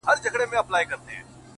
ښكلي چي گوري _ دا بيا خوره سي _